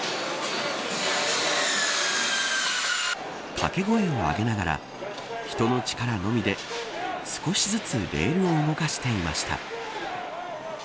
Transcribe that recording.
掛け声を上げながら人の力のみで少しずつレールを動かしていました。